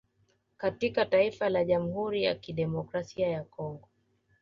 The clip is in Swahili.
Katika taifa la jamhuri ya kidemokrasia ya congo